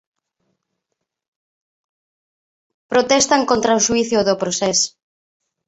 Protestan contra o xuízo do Procés.